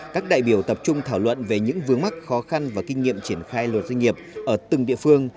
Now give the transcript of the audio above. các đại biểu tập trung thảo luận về những vướng mắc khó khăn và kinh nghiệm triển khai luật doanh nghiệp ở từng địa phương